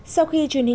sau khi truyền hình